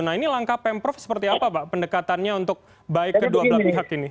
nah ini langkah pemprov seperti apa pak pendekatannya untuk baik kedua belah pihak ini